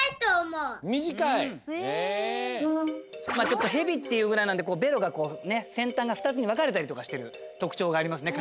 ちょっとヘビっていうぐらいなんでべろがこうねせんたんが２つに分かれたりとかしてるとくちょうがありますね